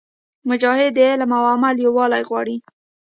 مجاهد د علم او عمل یووالی غواړي.